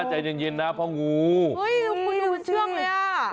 ใจเย็นนะพ่องูคุณยืนเชื่อมเลยอะ